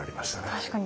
確かに。